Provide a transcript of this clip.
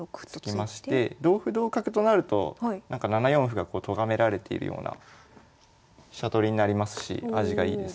突きまして同歩同角となると７四歩がとがめられているような飛車取りになりますし味がいいですよね。